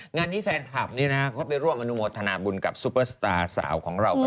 งานนี้แฟนคลับเขาไปร่วมอนุโมทนาบุญกับซุปเปอร์สตาร์สาวของเรากัน